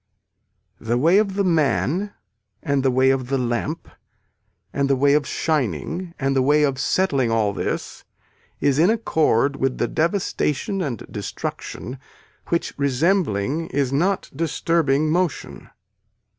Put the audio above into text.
The way of the man and the way of the lamp and the way of shining and the way of settling all this is in accord with the devastation and destruction which resembling is not disturbing motion.